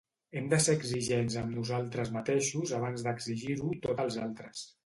Hem de ser exigents amb nosaltres mateixos abans d’exigir-ho tot als altres.